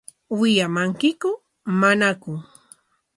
¿Wiyamankiku manaku?